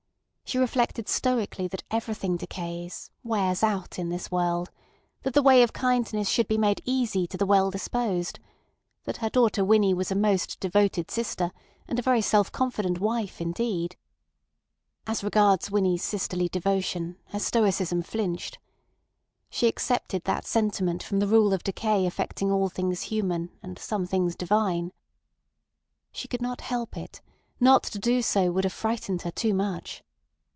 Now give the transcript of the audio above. She reflected stoically that everything decays, wears out, in this world; that the way of kindness should be made easy to the well disposed; that her daughter Winnie was a most devoted sister, and a very self confident wife indeed. As regards Winnie's sisterly devotion, her stoicism flinched. She excepted that sentiment from the rule of decay affecting all things human and some things divine. She could not help it; not to do so would have frightened her too much.